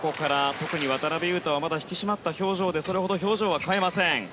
特に渡辺勇大はまだ引き締まった表情でそれほど表情は変えません。